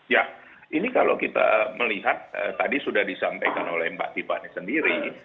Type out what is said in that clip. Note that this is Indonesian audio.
ya ini kalau kita melihat tadi sudah disampaikan oleh mbak tiffany sendiri